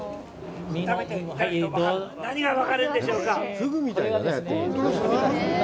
何が分かるんでしょうか。